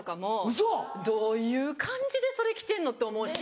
ウソ！どういう感じでそれ着てんの？って思うし。